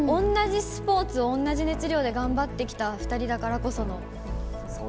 同じスポーツ、同じ熱量で頑張ってきた２人だからこその。